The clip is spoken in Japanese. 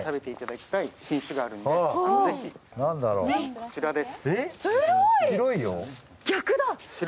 こちらです。